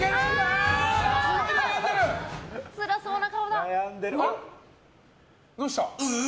つらそうな顔だ。